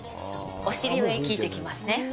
お尻に効いていきますね。